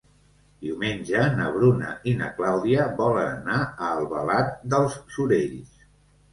Diumenge na Bruna i na Clàudia volen anar a Albalat dels Sorells.